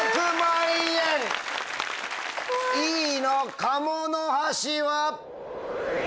Ｅのカモノハシは？